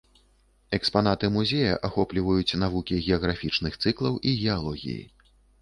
Экспанаты музея ахопліваюць навукі геаграфічных цыклаў і геалогіі.